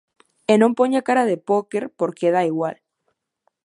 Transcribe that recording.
E non poña cara de póker porque dá igual.